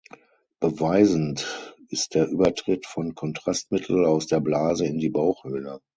Beweisend ist der Übertritt von Kontrastmittel aus der Blase in die Bauchhöhle.